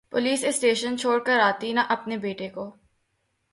police station چھوڑ کر آتی نا اپنے بیٹے کو